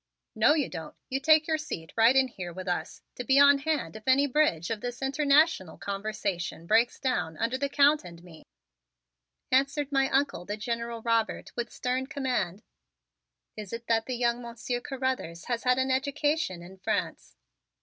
"No you don't; you take your seat right in here with us, to be on hand if any bridge of this international conversation breaks down under the Count and me," answered my Uncle, the General Robert, with stern command. "Is it that the young Monsieur Carruthers had an education in France?"